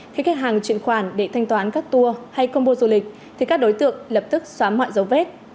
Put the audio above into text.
khi khách hàng chuyển khoản để thanh toán các tour hay combo du lịch thì các đối tượng lập tức xóa mọi dấu vết